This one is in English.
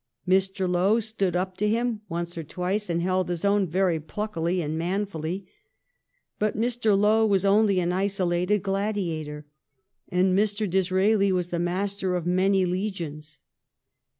Mr. Lowe stood up to him once or twice, and held his own very pluckily and manfully. But Mr. Lowe was only an isolated gladiator, and Mr. Disraeli was the master of many legions.